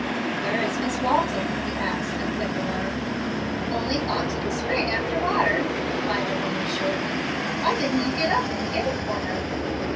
"Where is Miss Walton?" he asked, in quick alarm. "Only gone to the spring after water," replied the woman, shortly. "Why didn't you git up and git it for her?"